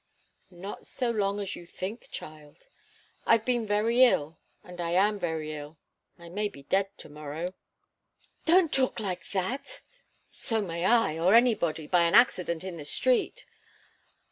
"Not so long as you think, child. I've been very ill, and I am very ill. I may be dead to morrow." "Don't talk like that! So may I, or anybody by an accident in the street."